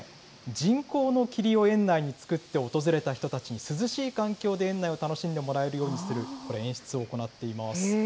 人工の霧を園内に作って、訪れた人たちに涼しい環境で園内を楽しんでもらえるようにする、これ、演出を行っています。